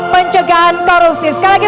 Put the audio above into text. pencegahan korupsi sekali lagi